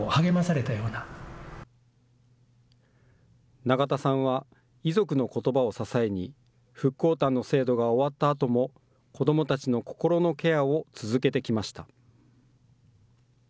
永田さんは遺族のことばを支えに、復興担の制度が終わったあとも、子どもたちの心のケアを続けてきました。